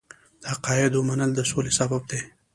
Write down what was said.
د عقایدو منل د سولې سبب دی.